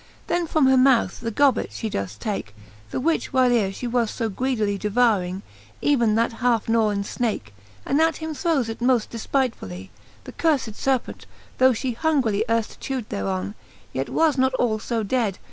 Then from her mouth the gobbet fhe does take, The which whyleare fhe was fo greedily Devouring, even that halfe gnawen fnake, And at him throwes it moft defpightfully. The curied Serpent, though fhe hungrily Earft chawd thereon, yet was not all fb dead.